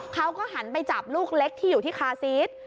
เขาก็หันไปจับลูกเล็กที่อยู่ที่คาซีส